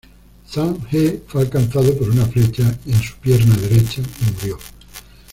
Zhang He fue alcanzado por una flecha en su pierna derecha y murió.